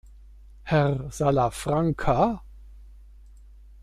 Herr Salafranca.